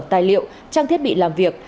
tài liệu trang thiết bị làm việc